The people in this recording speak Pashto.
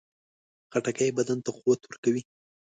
خټکی بدن ته قوت ورکوي.